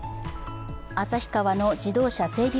旭川の自動車整備